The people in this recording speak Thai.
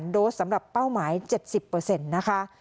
๑๙๐๐๐๐๐โดสสำหรับเป้าหมาย๗๐นะคะ